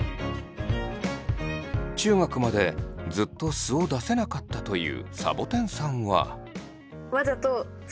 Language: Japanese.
中学までずっと素を出せなかったというさぼてんさんは。